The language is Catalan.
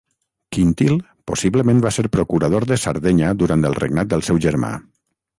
Quintil possiblement va ser procurador de Sardenya durant el regnat del seu germà.